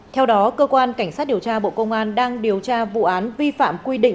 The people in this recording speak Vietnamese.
theo đó cơ quan cảnh sát điều tra bộ công an đang điều tra vụ án vi phạm quy định